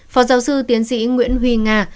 phó giáo sư tiến sĩ nguyễn huy nga